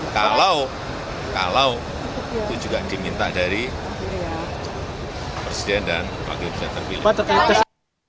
kalau itu juga diminta dari presiden dan wakil presiden terpilih